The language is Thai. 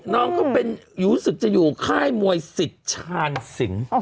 น้องก็เป็นอยุฤษฐ์จะอยู่ค่ายมวยสิทธิ์ชาญสิง